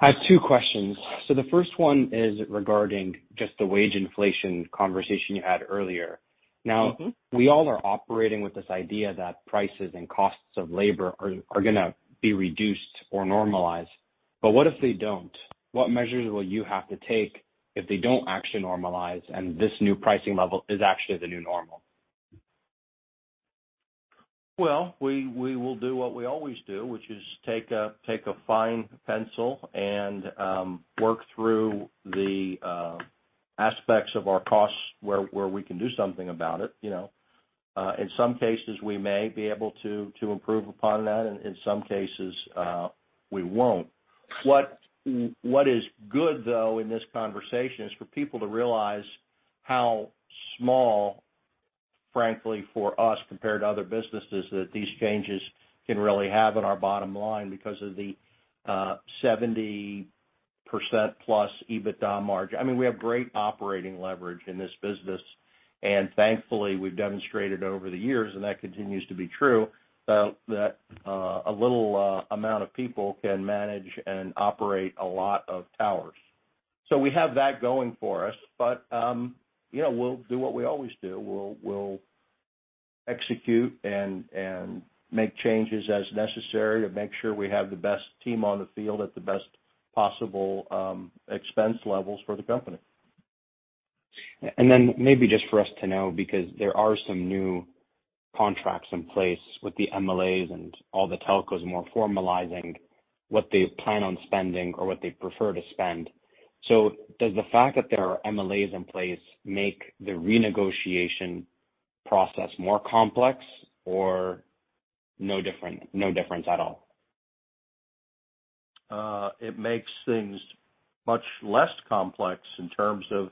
I have two questions. The first one is regarding just the wage inflation conversation you had earlier. Mm-hmm. Now, we all are operating with this idea that prices and costs of labor are gonna be reduced or normalized, but what if they don't? What measures will you have to take if they don't actually normalize and this new pricing level is actually the new normal? Well, we will do what we always do, which is take a fine pencil and work through the aspects of our costs where we can do something about it, you know. In some cases, we may be able to improve upon that, and in some cases, we won't. What is good though in this conversation is for people to realize how small, frankly for us compared to other businesses, that these changes can really have on our bottom line because of the 70%+ EBITDA margin. I mean, we have great operating leverage in this business. Thankfully, we've demonstrated over the years, and that continues to be true, that a little amount of people can manage and operate a lot of towers. We have that going for us. But you know, we'll do what we always do. We'll execute and make changes as necessary to make sure we have the best team on the field at the best possible expense levels for the company. Maybe just for us to know, because there are some new contracts in place with the MLAs and all the telcos more formalizing what they plan on spending or what they prefer to spend. Does the fact that there are MLAs in place make the renegotiation process more complex or no difference at all? It makes things much less complex in terms of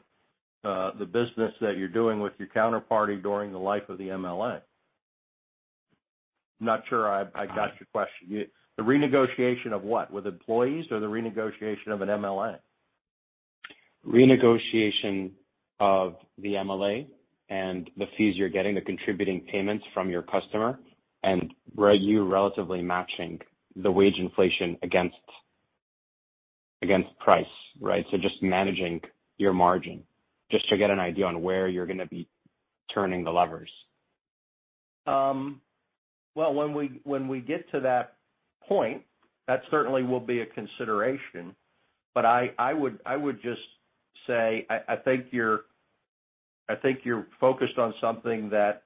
the business that you're doing with your counterparty during the life of the MLA. I'm not sure I got your question. The renegotiation of what? With employees or the renegotiation of an MLA? Renegotiation of the MLA and the fees you're getting, the contributing payments from your customer, and were you relatively matching the wage inflation against price, right? Just managing your margin, just to get an idea on where you're gonna be turning the levers. Well, when we get to that point, that certainly will be a consideration. I would just say, I think you're focused on something that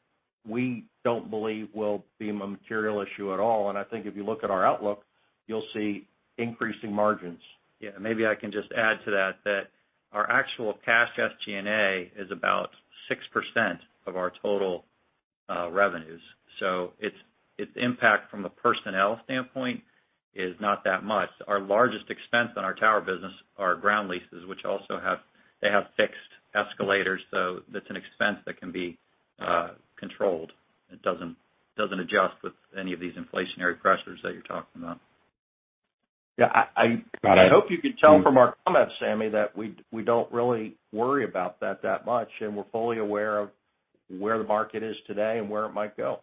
we don't believe will be a material issue at all. I think if you look at our outlook, you'll see increasing margins. Yeah. Maybe I can just add to that our actual cash SG&A is about 6% of our total revenues. Its impact from a personnel standpoint is not that much. Our largest expense on our tower business are ground leases, which also have fixed escalators, so that's an expense that can be controlled. It doesn't adjust with any of these inflationary pressures that you're talking about. Yeah, I hope you can tell from our comments, Sami, that we don't really worry about that much, and we're fully aware of where the market is today and where it might go.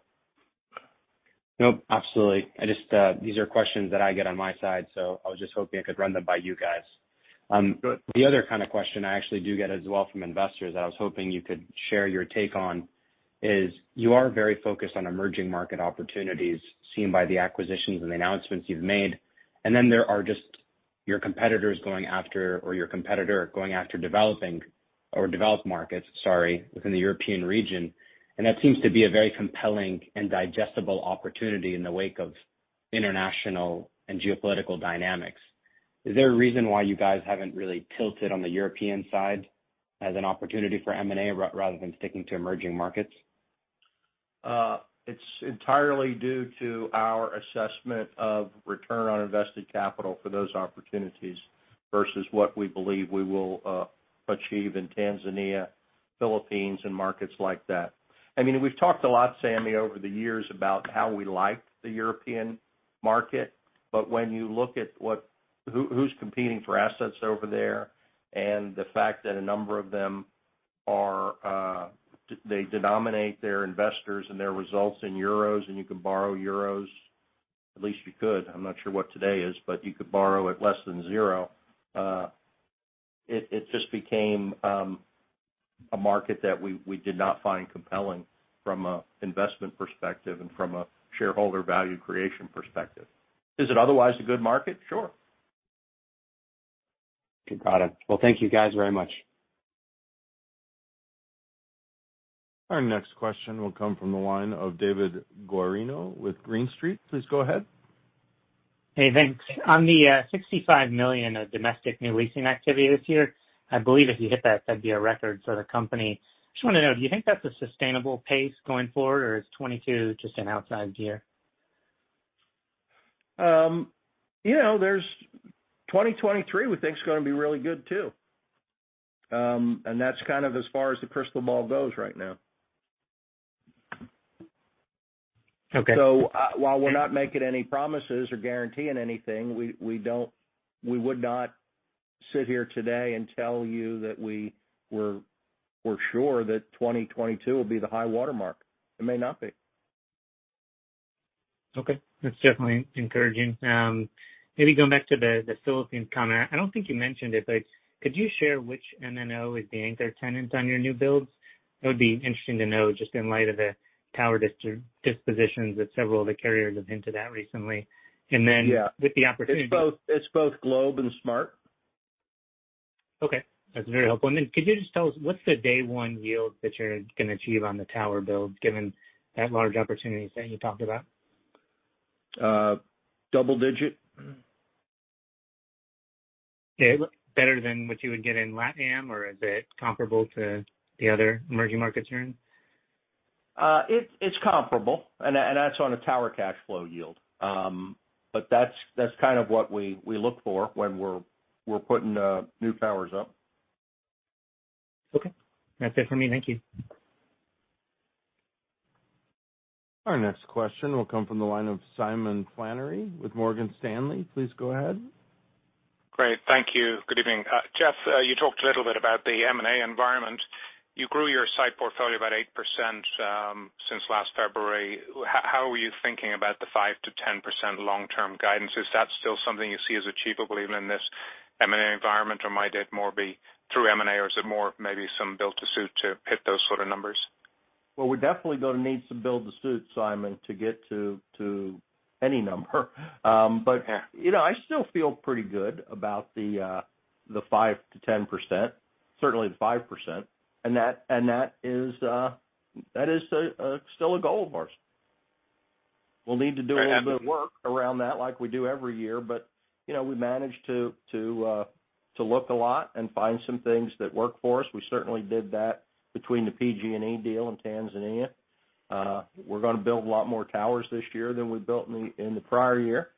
Nope, absolutely. I just, these are questions that I get on my side, so I was just hoping I could run them by you guys. The other kind of question I actually do get as well from investors that I was hoping you could share your take on is, you are very focused on emerging market opportunities seen by the acquisitions and the announcements you've made. Then there are just your competitors going after or your competitor going after developing or developed markets, sorry, within the European region. That seems to be a very compelling and digestible opportunity in the wake of international and geopolitical dynamics. Is there a reason why you guys haven't really tilted on the European side as an opportunity for M&A rather than sticking to emerging markets? It's entirely due to our assessment of return on invested capital for those opportunities versus what we believe we will achieve in Tanzania, Philippines, and markets like that. I mean, we've talked a lot, Sami, over the years about how we like the European market. When you look at what, who's competing for assets over there and the fact that a number of them are, they denominate their investors and their results in euros, and you can borrow euros, at least you could. I'm not sure what today is, but you could borrow at less than zero. It just became a market that we did not find compelling from an investment perspective and from a shareholder value creation perspective. Is it otherwise a good market, sure. Got it. Well, thank you guys very much. Our next question will come from the line of David Guarino with Green Street. Please go ahead. Hey, thanks. On the $65 million of domestic new leasing activity this year, I believe if you hit that'd be a record for the company. Just wanna know, do you think that's a sustainable pace going forward, or is 2022 just an outlier year? You know, 2023, we think is gonna be really good, too. That's kind of as far as the crystal ball goes right now. Okay. While we're not making any promises or guaranteeing anything, we would not sit here today and tell you that we're sure that 2022 will be the high watermark. It may not be. Okay. That's definitely encouraging. Maybe going back to the Philippines comment. I don't think you mentioned it, but could you share which M&A is the anchor tenant on your new builds? It would be interesting to know just in light of the tower dispositions that several of the carriers have hinted at recently. Then- Yeah. With the opportunity- It's both Globe and Smart. Okay. That's very helpful. Could you just tell us what's the day one yield that you're gonna achieve on the tower builds, given that large opportunities that you talked about? Double-digit. Okay. Better than what you would get in LatAm, or is it comparable to the other emerging markets you're in? It's comparable, and that's on a tower cash flow yield. That's kind of what we look for when we're putting new towers up. Okay. That's it for me. Thank you. Our next question will come from the line of Simon Flannery with Morgan Stanley. Please go ahead. Great. Thank you. Good evening. Jeff, you talked a little bit about the M&A environment. You grew your site portfolio about 8% since last February. How are you thinking about the 5%-10% long-term guidance? Is that still something you see as achievable even in this M&A environment, or might that more be through M&A, or is it more maybe some build-to-suit to hit those sort of numbers? Well, we're definitely gonna need some build-to-suit, Simon, to get to any number. Yeah. You know, I still feel pretty good about the 5%-10%, certainly the 5%. That is still a goal of ours. We'll need to do- Right. I believe. A little bit of work around that like we do every year, but you know, we managed to look a lot and find some things that work for us. We certainly did that between the PG&E deal in Tanzania. We're gonna build a lot more towers this year than we built in the prior year.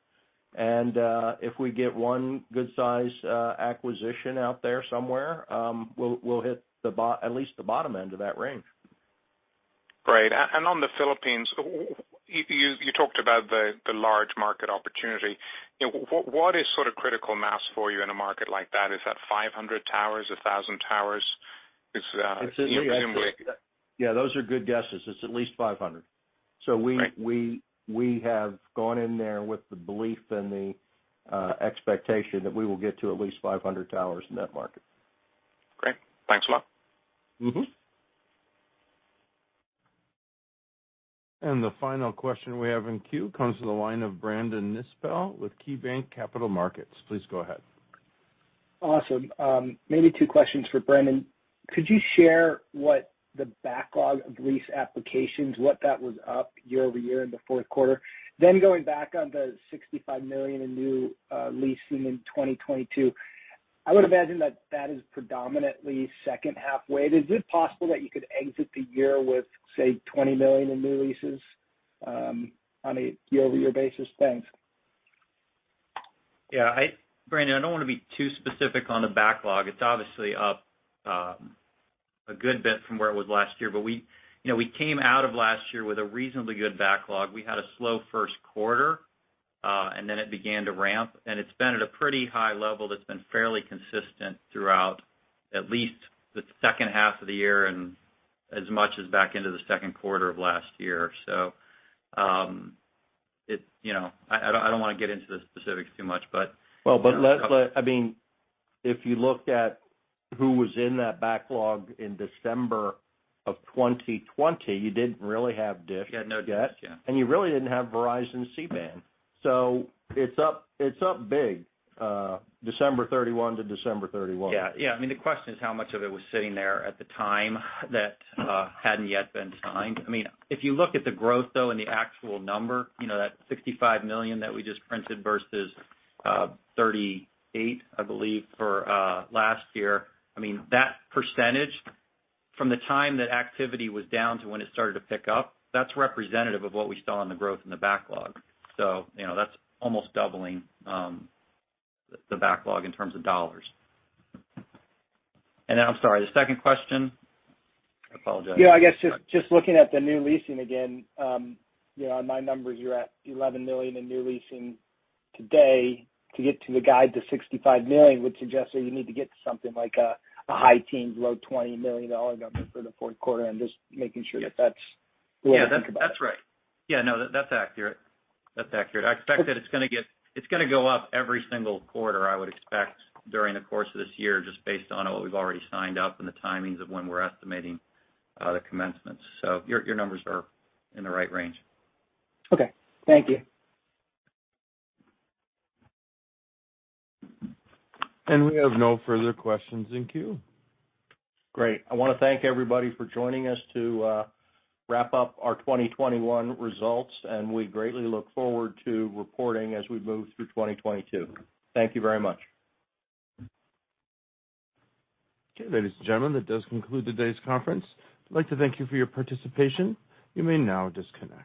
If we get one good size acquisition out there somewhere, we'll hit the bottom, at least the bottom end of that range. Great. On the Philippines, you talked about the large market opportunity. You know, what is sort of critical mass for you in a market like that? Is that 500 towers, 1,000 towers? Is- Yeah, those are good guesses. It's at least 500. Great. We have gone in there with the belief and the expectation that we will get to at least 500 towers in that market. Great. Thanks a lot. Mm-hmm. The final question we have in queue comes to the line of Brandon Nispel with KeyBanc Capital Markets. Please go ahead. Awesome. Maybe two questions for Brendan. Could you share what the backlog of lease applications was up year-over-year in the fourth quarter? Going back on the $65 million in new leasing in 2022, I would imagine that is predominantly second half weighted. Is it possible that you could exit the year with, say, $20 million in new leases on a year-over-year basis? Thanks. Yeah. Brandon, I don't wanna be too specific on the backlog. It's obviously up a good bit from where it was last year. We, you know, we came out of last year with a reasonably good backlog. We had a slow first quarter, and then it began to ramp, and it's been at a pretty high level that's been fairly consistent throughout at least the second half of the year and as much as back into the second quarter of last year. You know, I don't wanna get into the specifics too much, but- I mean, if you looked at who was in that backlog in December of 2020, you didn't really have DISH- You had no DISH, yeah. Yet, you really didn't have Verizon C-band. It's up big, December 31 to December 31. Yeah. Yeah, I mean, the question is how much of it was sitting there at the time that hadn't yet been signed. I mean, if you look at the growth, though, and the actual number, you know, that $65 million that we just printed versus $38 million, I believe, for last year, I mean, that percentage from the time that activity was down to when it started to pick up, that's representative of what we saw in the growth in the backlog. You know, that's almost doubling the backlog in terms of dollars. I'm sorry, the second question? I apologize. Yeah, I guess just looking at the new leasing again, you know, on my numbers, you're at $11 million in new leasing today. To get to the guide to $65 million would suggest that you need to get to something like a high teens, low $20 million dollar number for the fourth quarter. I'm just making sure that- Yes. That's what we're thinking about. Yeah, that's right. Yeah, no, that's accurate. I expect that it's gonna go up every single quarter, I would expect, during the course of this year, just based on what we've already signed up and the timings of when we're estimating the commencements. Your numbers are in the right range. Okay. Thank you. We have no further questions in queue. Great. I wanna thank everybody for joining us to wrap up our 2021 results, and we greatly look forward to reporting as we move through 2022. Thank you very much. Okay. Ladies and gentlemen, that does conclude today's conference. I'd like to thank you for your participation. You may now disconnect.